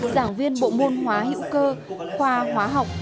giảng viên bộ môn hóa hữu cơ khoa hóa học